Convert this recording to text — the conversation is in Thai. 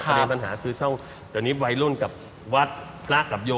ประเด็นปัญหาคือช่องเดี๋ยวนี้วัยรุ่นกับวัดพระกับโย